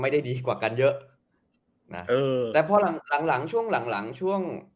ดีกว่ากันเยอะนะเออแต่พอหลังหลังช่วงหลังหลังช่วง